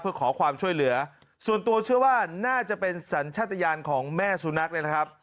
เพื่อขอความช่วยเหลือส่วนตัวเชื่อว่าน่าจะเป็นสัญชาติยานของแม่สุนัขเนี่ยนะครับ